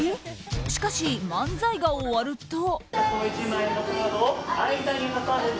しかし、漫才が終わると。